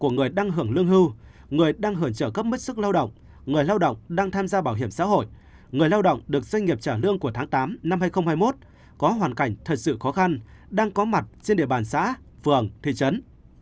người đang hưởng lương hưu người đang hưởng trợ cấp mất sức lao động người lao động đang tham gia bảo hiểm xã hội người lao động được doanh nghiệp trả lương của tháng tám năm hai nghìn hai mươi một có hoàn cảnh thật sự khó khăn đang có mặt trên địa bàn xã phường thị trấn